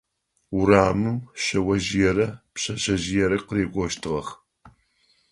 Урамым шъэожъыерэ пшъэшъэжъыерэ къырыкӏощтыгъэх.